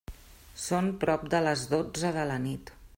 Són prop de les dotze de la nit.